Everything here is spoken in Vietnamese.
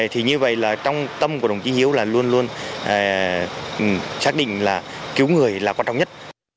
thì như vậy là trong tâm của đồng chí hiếu là luôn luôn xác định là cứu người là quan trọng nhất